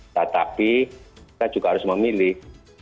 tetapi kita juga harus memilih